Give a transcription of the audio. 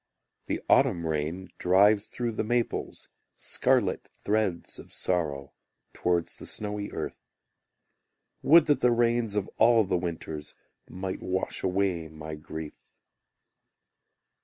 The autumn rain drives through the maples Scarlet threads of sorrow, Towards the snowy earth. Would that the rains of all the winters Might wash away my grief!